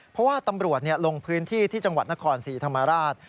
เพราะว่าตำรวจลงพื้นที่ที่จังหวัดนครศรีธรรมราช